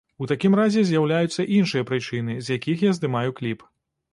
У такім разе з'яўляюцца іншыя прычыны, з якіх я здымаю кліп.